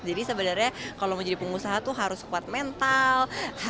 jadi sebenarnya kalau mau jadi pengusaha itu harus kuat mental